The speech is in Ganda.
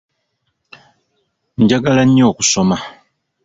Njagala nyo okusoma.